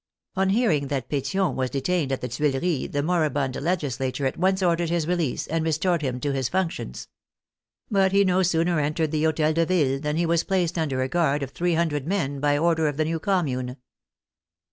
On hearing that Petion was de tained at the Tuileries the moribund legislature at once ordered his release and restored him to his functions. But he no sooner entered the Hotel de Ville than he was placed under a guard of three hundred men by order of the new Commune.